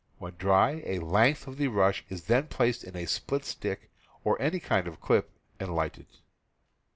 When dry, a length of the rush is then placed in a split stick, or any kind of clip, and lighted.